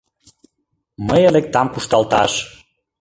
Мые лектам кушталташ